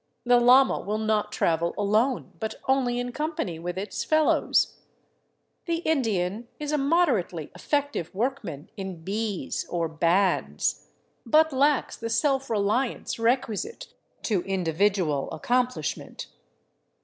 The llama will not travel alone, but only in com pany with its fellows; the Indian is a moderately effective workman in " bees " or bands, but lacks the self reliance requisite to indi vidual accomplishment.